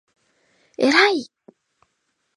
えらい！！！！！！！！！！！！！！！